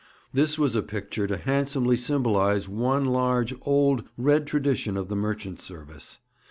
This was a picture to handsomely symbolize one large, old, red tradition of the Merchant Service.